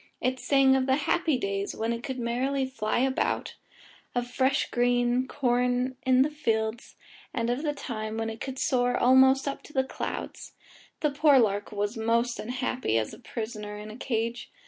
It sang of the happy days when it could merrily fly about, of fresh green corn in the fields, and of the time when it could soar almost up to the clouds. The poor lark was most unhappy as a prisoner in a cage.